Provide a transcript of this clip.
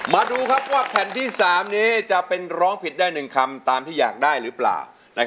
มาดูว่าแผ่นที่๓นี้จะเป็นร้องผิดได้๑คำตามที่อยากได้หรือเปล่า